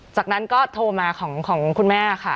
จากนั้นก็โทรมาของคุณแม่ค่ะ